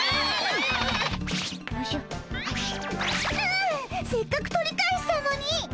あせっかく取り返したのにっ！